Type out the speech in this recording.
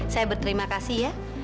saya berterima kasih ya